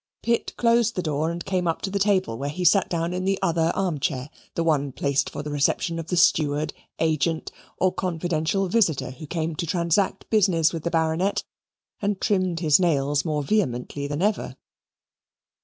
Pitt closed the door and came up to the table, where he sat down in the other arm chair that one placed for the reception of the steward, agent, or confidential visitor who came to transact business with the Baronet and trimmed his nails more vehemently than ever.